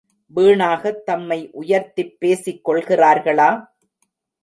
வீணாகத் தம்மை உயர்த்திப் பேசிக் கொள்கிறார்களா?